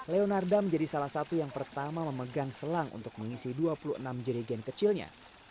leonarda menjadi salah satu yang pertama memegang selang untuk mengisi dua puluh enam jerigen kecilnya